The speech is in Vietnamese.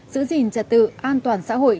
giữ gìn trật tự an toàn xã hội